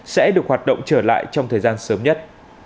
sẽ được hoạt động trở lại trong thời gian sớm nhất